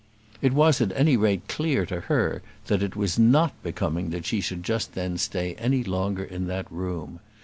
It was at any rate clear to her that it was not becoming that she should just then stay any longer in that room.